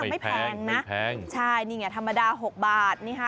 ไม่แพงนะแพงใช่นี่ไงธรรมดา๖บาท